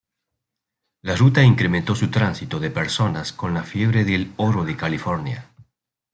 La ruta incremento su tránsito de personas con la fiebre del oro de California.